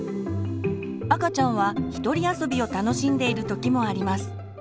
赤ちゃんは一人遊びを楽しんでいる時もあります。